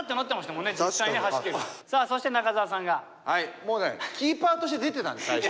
もうねキーパーとして出てたんです最初。